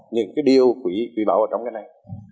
những điều quỷ bảo ở trong này